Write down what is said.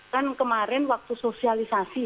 kan kemarin waktu sosialisasi